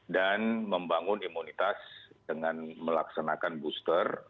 dan membangun imunitas dengan melaksanakan booster